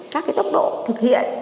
các cái tốc độ thực hiện